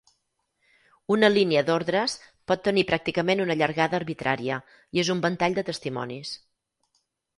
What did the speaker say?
Una línia d'ordres pot tenir pràcticament una llargada arbitraria i és un ventall de testimonis.